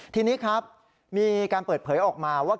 ทีนี้ครับมีการเปิดเผยออกมาว่า